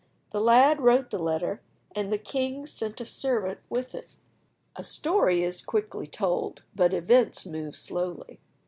The lad wrote the letter, and the king sent a servant with it. A story is quickly told, but events move slowly.